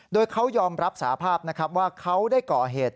โดยเขายอมรับสาภาพนะครับว่าเขาได้ก่อเหตุ